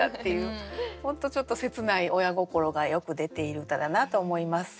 本当ちょっと切ない親心がよく出ている歌だなと思います。